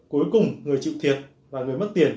cuối cùng người chịu thiệt và người mất tiền